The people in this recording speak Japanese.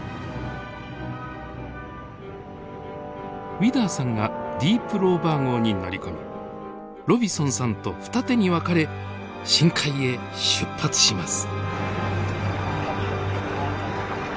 ウィダーさんがディープローバー号に乗り込みロビソンさんと二手に分かれ深海へ出発します。